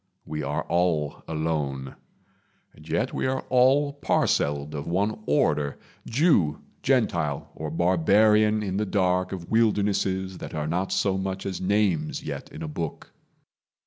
We are all alone; And yet we are all parcelled of one order Jew, Gentile, or barbarian in the dark Of wildernesses that are not so much As names yet in a book.